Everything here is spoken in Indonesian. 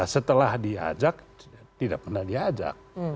setelah diajak tidak pernah diajak